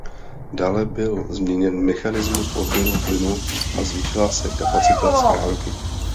Dále byl změněn mechanizmus odběru plynu a zvýšila se kapacita schránky.